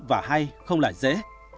và hay không là dễ